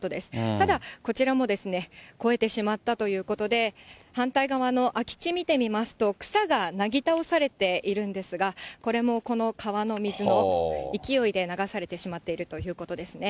ただ、こちらも越えてしまったということで、反対側の空き地見てみますと、草がなぎ倒されているんですが、これもこの川の水の勢いで流されてしまっているということですね。